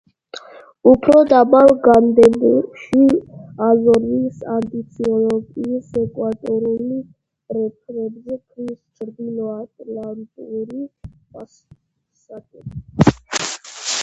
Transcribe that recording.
უფრო დაბალ განედებში აზორის ანტიციკლონის ეკვატორულ პერიფერიებზე ქრის ჩრდილო ატლანტიკური პასატები.